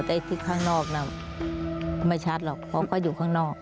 แต่ที่ข้างนอกน่ะไม่ชัดหรอกเขาก็อยู่ข้างนอก